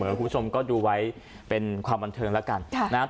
คุณผู้ชมก็ดูไว้เป็นความบันเทิงแล้วกันนะครับ